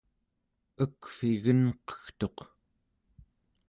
ekvigenqegtuq